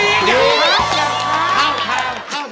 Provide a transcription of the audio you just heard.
ก็ดีอยากพัก